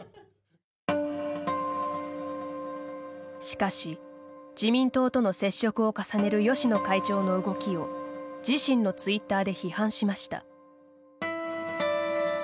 しかし、自民党との接触を重ねる芳野会長の動きを自身のツイッターで批判しました。